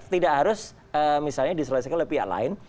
tidak harus misalnya diselesaikan oleh pihak lain